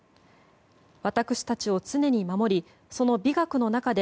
私たちを常に守りその美学の中で